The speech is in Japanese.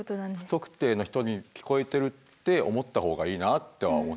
不特定の人に聞こえてるって思った方がいいなとは思ってるよね。